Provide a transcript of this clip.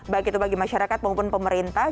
begitu bagi masyarakat maupun pemerintah